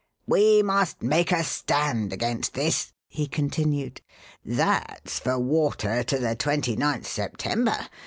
"We must make a stand against this," he continued. "That's for water to the 29th September.